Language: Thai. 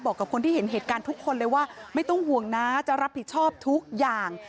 กับคนที่เห็นเหตุการณ์ทุกคนเลยว่าไม่ต้องห่วงนะจะรับผิดชอบทุกอย่าง